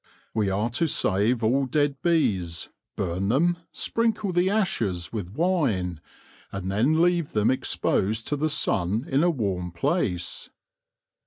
We are to save all dead bees, burn them, sprinkle the ashes with wine, and then leave them exposed to the sun in a warm place.